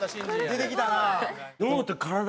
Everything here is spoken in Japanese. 出てきたなあ。